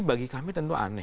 bagi kami tentu aneh